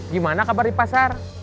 gimana kabar di pasar